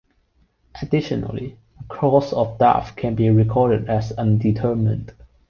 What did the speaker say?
Additionally, a cause of death can be recorded as "undetermined".